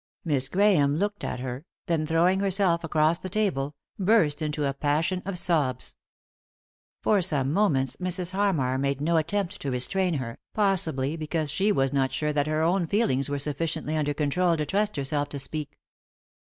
Miss Grahame looked at her, then, throwing herself across the table, burst into a passion of sobs. For some moments Mrs. Harmar made no attempt to restrain her, possibly because she was not sure that her own feelings were sufficiently under control to trust herself to speak.